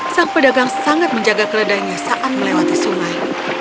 sang pedagang sangat menjaga keledainya saat melewati sungai